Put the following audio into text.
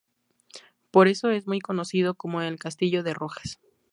Por eso es muy conocido como el "Castillo de Rojas".